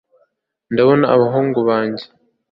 ndabona abahungu banjye